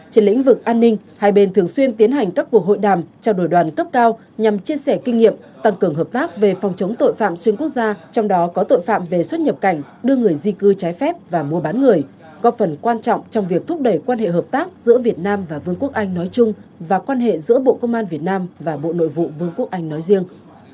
trên lĩnh vực an ninh hai bên thường xuyên tiến hành các cuộc hội đàm trao đổi đoàn cấp cao nhằm chia sẻ kinh nghiệm tăng cường hợp tác về phòng chống tội phạm xuyên quốc gia trong đó có tội phạm về xuất nhập cảnh đưa người di cư trái phép và mua bán người góp phần quan trọng trong việc thúc đẩy quan hệ hợp tác giữa việt nam và vương quốc anh nói chung và quan hệ giữa bộ công an việt nam và bộ nội vụ vương quốc anh nói riêng